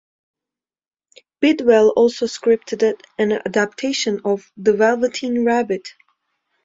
Bidwell also scripted an adaptation of "The Velveteen Rabbit".